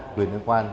quyền liên quan